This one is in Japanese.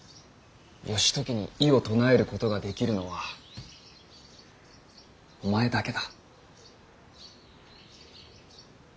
義時に異を唱えることができるのはお前だけだ。